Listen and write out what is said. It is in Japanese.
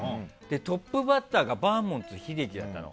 トップバッターがバーモント秀樹だったの。